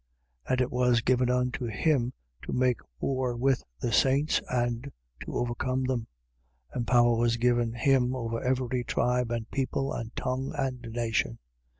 And it was given unto him to make war with the saints and to overcome them. And power was given him over every tribe and people and tongue and nation.